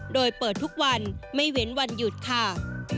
โดยเปิดทุกวันไม่เว้นวันหยุดค่ะ